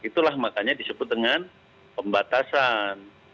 itulah makanya disebut dengan pembatasan